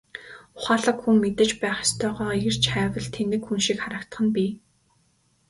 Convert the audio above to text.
Ухаалаг хүн мэдэж байх ёстойгоо эрж хайвал тэнэг хүн шиг харагдах нь бий.